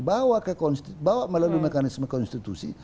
bawa melalui mekanisme konstitusi